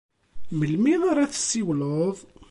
Melmi ara tsiwleḍ?